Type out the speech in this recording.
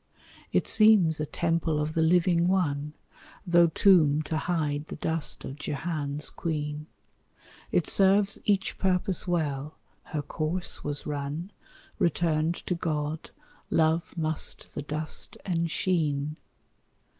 It seems a temple of the living One, Though tomb to hide the dust of Jehan's queen. It serves each purpose well her course was run, Returned to God, love must the dust ensheen.